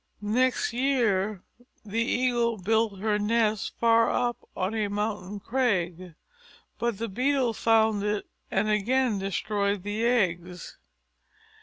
Next year the Eagle built her nest far up on a mountain crag; but the Beetle found it and again destroyed the eggs.